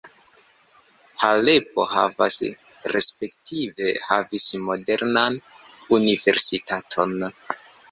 Halepo havas respektive havis modernan universitaton.